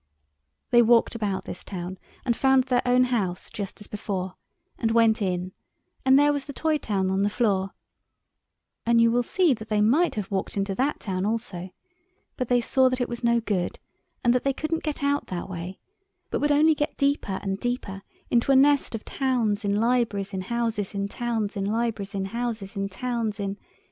They walked about this town and found their own house, just as before, and went in, and there was the toy town on the floor; and you will see that they might have walked into that town also, but they saw that it was no good, and that they couldn't get out that way, but would only get deeper and deeper into a nest of towns in libraries in houses in towns in libraries in houses in towns in